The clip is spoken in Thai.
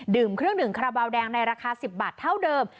เครื่องดื่มคาราบาลแดงในราคา๑๐บาทเท่าเดิม